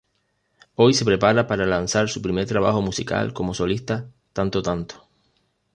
Hoy se prepara para lanzar su primer trabajo musical como solista "Tanto, Tanto".